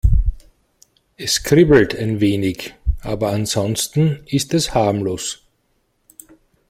Es kribbelt ein wenig, aber ansonsten ist es harmlos.